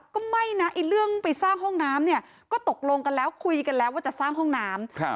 ก็ไม่นะไอ้เรื่องไปสร้างห้องน้ำเนี่ยก็ตกลงกันแล้วคุยกันแล้วว่าจะสร้างห้องน้ำ